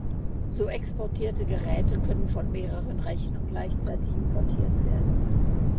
So exportierte Geräte können von mehreren Rechnern gleichzeitig importiert werden.